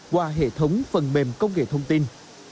qua hệ thống phần mềm công nghệ thông tin